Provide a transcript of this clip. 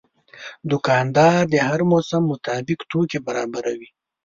دوکاندار د هر موسم مطابق توکي برابروي.